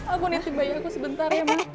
aku nanti bayi aku sebentar ya ma